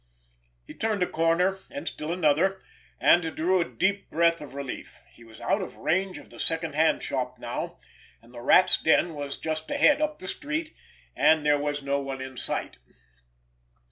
He turned a corner, and still another—and drew a deep breath of relief. He was out of range of the second hand shop now, and the Rat's den was just ahead up the street, and there was no one in sight.